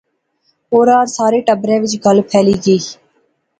اورار سارے ٹبرے وچ گل پھیلی گئی